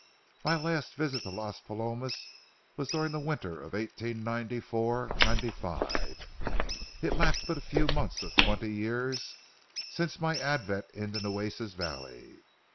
My last visit to Las Palomas was during the winter of 1894 95. It lacked but a few months of twenty years since my advent in the Nueces valley.